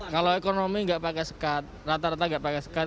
kalau ekonomi nggak pakai sekat rata rata nggak pakai sekat